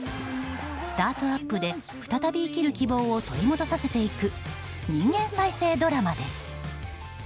スタートアップで、再び生きる希望を取り戻させていく人間再生ドラマです。